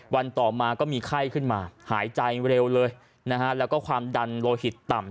วันต่อมาก็มีไข้ขึ้นมาหายใจเร็วเลยนะฮะแล้วก็ความดันโลหิตต่ำ